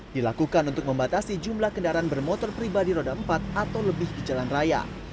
dilakukan untuk membatasi jumlah kendaraan bermotor pribadi roda empat atau lebih di jalan raya